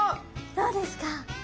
どうですか？